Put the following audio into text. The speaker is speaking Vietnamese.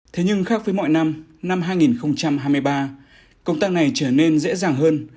thế nhưng khác với mọi năm năm hai nghìn hai mươi ba công tác này trở nên dễ dàng hơn